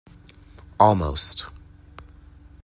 Almost.